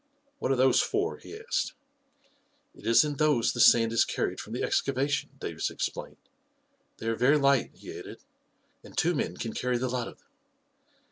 "What are those for?" he asked. " It is in those the sand is carried from the exca vation," Davis explained. " They are very light," he added, " and two men can carry the lot of them.